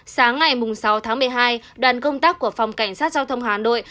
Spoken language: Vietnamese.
sáng ngày sáu tháng một mươi hai đoàn công tác của phòng cảnh sát giao thông hà nội